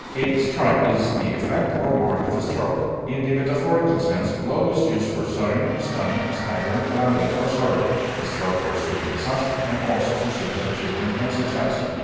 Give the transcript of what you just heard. A stripe is the effect or mark of a stroke. In the metaphorical sense, blow is used for sudden, stunning, staggering calamity or sorrow; stroke for sweeping disaster, and also for sweeping achievement and success.